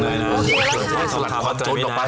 ให้สลัดความโจรออกไป